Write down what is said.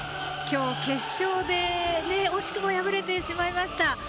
今日、決勝で惜しくも敗れてしまいました。